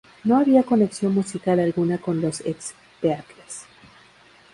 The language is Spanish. No había conexión musical alguna con los ex Beatles.